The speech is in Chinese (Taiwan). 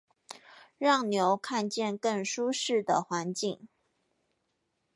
讓牛看見更舒適的環境